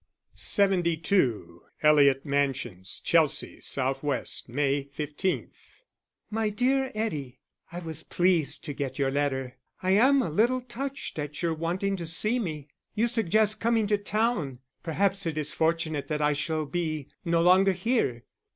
_ 72 Eliot Mansions, Chelsea, S.W. May 15. _My dear Eddie, I was pleased to get your letter. I am a little touched at your wanting to see me. You suggest coming to town perhaps it is fortunate that I shall be no longer here.